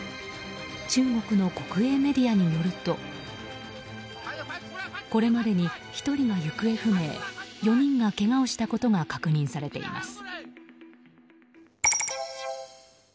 中国の国営メディアによるとこれまでに１人が行方不明４人がけがをしたことが確認されています。